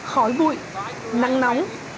khói bụi nắng nóng